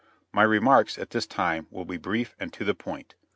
My remarks, at this time, will be brief and to the point.